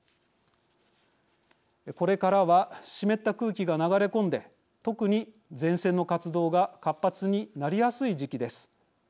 これからは湿った空気が流れ込んで特に前線の活動が活発になりやすい時期です。